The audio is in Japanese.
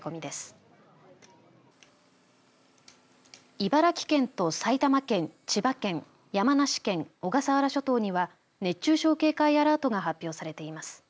茨城県と埼玉県、千葉県山梨県、小笠原諸島には熱中症警戒アラートが発表されています。